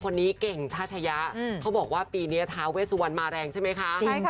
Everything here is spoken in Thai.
คนนี้เก่งทัชยะเขาบอกว่าปีนี้ท้าเวสวันมาแรงใช่ไหมคะใช่ค่ะ